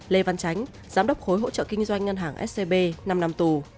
lê văn chánh giám đốc khối hỗ trợ kinh doanh ngân hàng scb năm năm tù